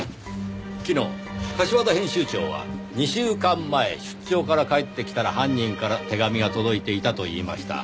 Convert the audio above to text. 昨日柏田編集長は２週間前出張から帰ってきたら犯人から手紙が届いていたと言いました。